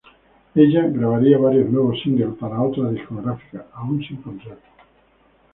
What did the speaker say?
Ella grabaría varios nuevos singles para otras discográficas, aún sin contrato.